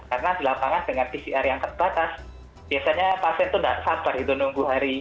karena di lapangan dengan pcr yang terbatas biasanya pasien itu tidak sabar itu nunggu hari